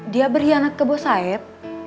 dia berkhianat ke buah sahib